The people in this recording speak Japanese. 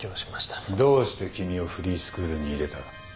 どうして君をフリースクールに入れた？